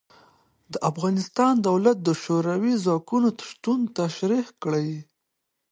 د افغانستان دولت د شوروي ځواکونو شتون تشرېح کړ.